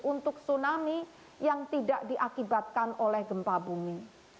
untuk tsunami yang tidak diakibatkan oleh gempa bumi